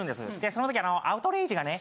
その時『アウトレイジ』がね